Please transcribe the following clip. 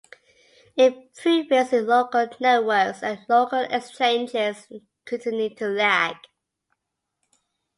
Improvements in local networks and local exchanges continue to lag.